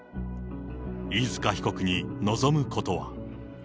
飯塚被告に望むことは。